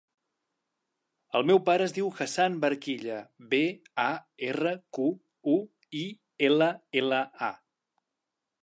El meu pare es diu Hassan Barquilla: be, a, erra, cu, u, i, ela, ela, a.